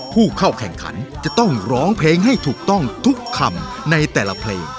ผู้เข้าแข่งขันจะต้องร้องเพลงให้ถูกต้องทุกคำในแต่ละเพลง